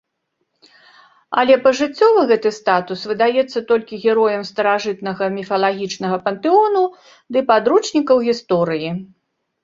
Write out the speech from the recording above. Але пажыццёва гэты статус выдаецца толькі героям старажытнага міфалагічнага пантэону ды падручнікаў гісторыі.